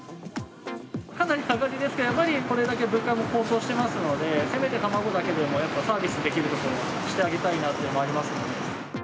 かなりの赤字ですけど、やはりこれだけ物価も高騰してますので、せめて卵だけでも、やっぱりサービスできるところはしてあげたいなというのもありますので。